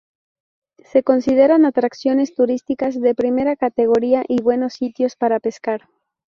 Se consideran atracciones turísticas de primera categoría y buenos sitios para pescar.